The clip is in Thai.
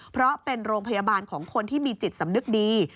เพราะเป็นโรงพยาบาลของคนที่มีจิตสำนึกดี